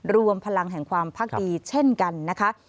รวมพลังแห่งความพักดีเช่นกันนะคะ